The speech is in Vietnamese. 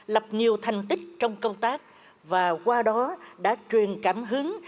lập nhiều thành tích trong công tác và qua đó đã truyền cảm hứng